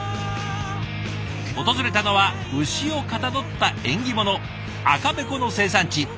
訪れたのは牛をかたどった縁起物「赤べこ」の生産地